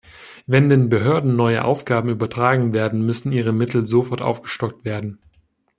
Wenn den Behörden neue Aufgaben übertragen werden, müssen ihre Mittel sofort aufgestockt werden.